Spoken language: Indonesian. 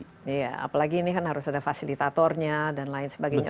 iya apalagi ini kan harus ada fasilitatornya dan lain sebagainya